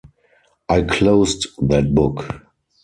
I closed that book.